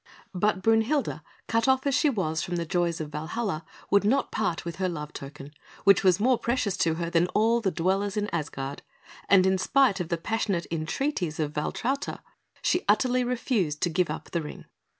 But Brünhilde, cut off as she was from the joys of Valhalla, would not part with her love token, which was more precious to her than all the dwellers in Asgard; and in spite of the passionate entreaties of Valtrauta, she utterly refused to give up the Ring.